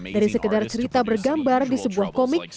dari sekedar cerita bergambar di sebuah komik